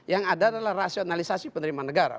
yang ada adalah rasionalisasi penerimaan negara